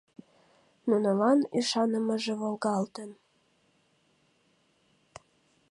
Нунылан ӱшанымыже волгалтын.